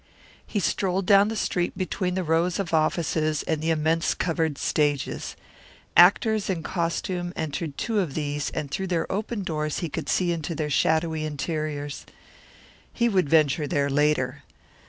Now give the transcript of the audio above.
He strolled down the street between the rows of offices and the immense covered stages. Actors in costume entered two of these and through their open doors he could see into their shadowy interiors. He would venture there later.